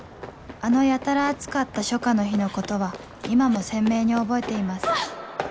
あのやたら暑かった初夏の日のことは今も鮮明に覚えていますあっ！